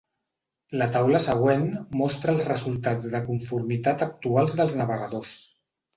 La taula següent mostra els resultats de conformitat actuals dels navegadors.